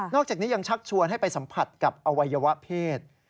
อกจากนี้ยังชักชวนให้ไปสัมผัสกับอวัยวะเพศ